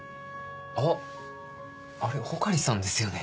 あっあれ穂刈さんですよね？